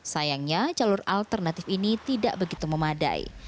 sayangnya jalur alternatif ini tidak begitu memadai